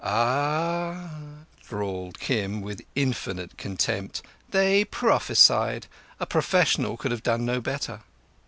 "Ah," drawled Kim, with infinite contempt, "they prophesied!" A professional could have done no better.